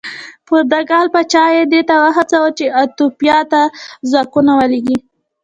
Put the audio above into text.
پرتګال پاچا یې دې ته وهڅاوه چې ایتوپیا ته ځواکونه ولېږي.